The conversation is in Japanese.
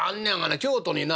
京都にな